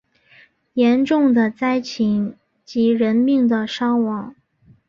严重的灾情以及人命的伤亡